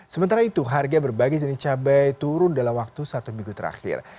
sementara itu harga berbagai jenis cabai turun dalam waktu satu minggu terakhir